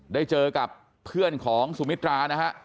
ได้เจอกับเพื่อนของสุมิตรานะฮะ